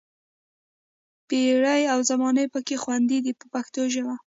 پېړۍ او زمان پکې خوندي دي په پښتو ژبه.